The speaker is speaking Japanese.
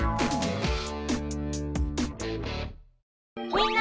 みんな！